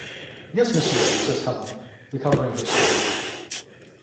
"Yes, monsieur," said Helene, recovering herself.